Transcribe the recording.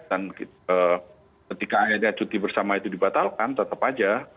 dan ketika akhirnya cuti bersama itu dibatalkan tetap saja